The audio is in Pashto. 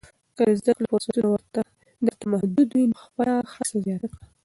که د زده کړې فرصتونه درته محدود وي، نو خپله هڅه زیاته کړه.